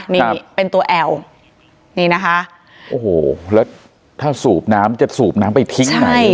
นี่เป็นตัวแอลนี่นะคะโอ้โหแล้วถ้าสูบน้ำจะสูบน้ำไปทิ้งไหน